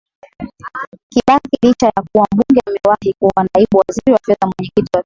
Kibaki licha ya kuwa mbunge amewahi kuwa Naibu Waziri wa Fedha Mwenyekiti wa Tume